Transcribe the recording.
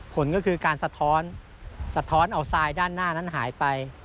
ผลก็คือการสะท้อนสะท้อนเอาทรายด้านหน้านั้นหายไป